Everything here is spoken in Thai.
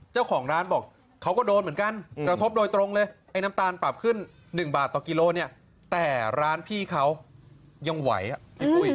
เจ้าของร้านบอกเขาก็โดนเหมือนกันกระทบโดยตรงเลยไอ้น้ำตาลปรับขึ้น๑บาทต่อกิโลเนี่ยแต่ร้านพี่เขายังไหวอ่ะพี่ปุ้ย